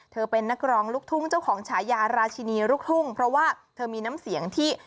เป็นนักร้องลูกทุ่งเจ้าของฉายาราชินีลูกทุ่งเพราะว่าเธอมีน้ำเสียงที่